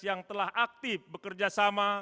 yang telah aktif bekerjasama